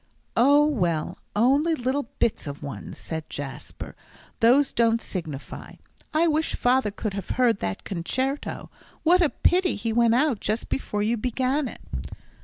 "Oh, well, only little bits of ones," said Jasper; "those don't signify. I wish father could have heard that concerto. What a pity he went out just before you began it."